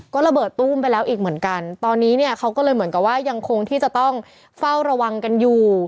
ก็ระเบิดตู้มไปแล้วอีกเหมือนกันตอนนี้เนี่ยเขาก็เลยเหมือนกับว่ายังคงที่จะต้องเฝ้าระวังกันอยู่